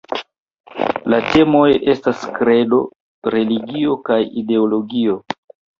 La temoj estas kredo, religio kaj ideologio.